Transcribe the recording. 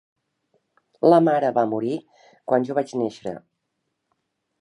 La mare va morir quan jo vaig néixer.